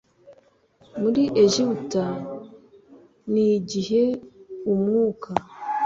muri egiputa a igihe umwuka